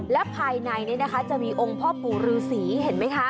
และภายในนี้นะคะจะมีองค์พ่อปู่ฤษีเห็นไหมคะ